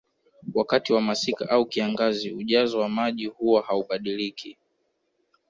Wakati wa masika au kiangazi ujazo wa maji huwa haubadiliki